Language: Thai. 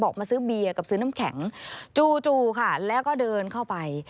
มาซื้อเบียร์กับซื้อน้ำแข็งจู่ค่ะแล้วก็เดินเข้าไป